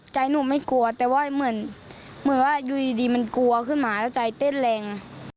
แต่หนูไม่กลัวเต้อว่าเหมือนเหมือนว่ายู่ดีมันกลัวขึ้นมาแล้วใจเต้นริง